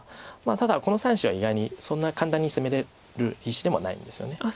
ただこの３子は意外にそんな簡単に攻めれる石でもないんですよね。